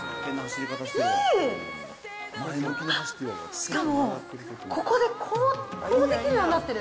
しかも、ここで、こうできるようになってる。